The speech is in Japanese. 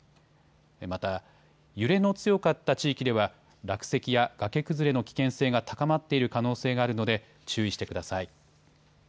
また、揺れの強かった地域では落石や崖崩れの危険性が高まっている可能性があるので注意してください。